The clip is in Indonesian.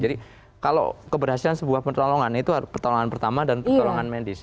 jadi kalau keberhasilan sebuah pertolongan itu pertolongan pertama dan pertolongan medis